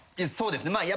そうですね。